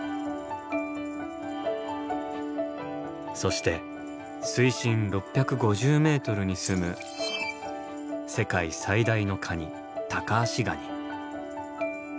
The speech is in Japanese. そして水深６５０ｍにすむ世界最大のカニタカアシガニ。